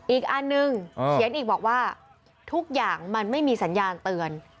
อีกอันนึงเขียนอีกบอกว่าทุกอย่างมันไม่มีสัญญาณเตือน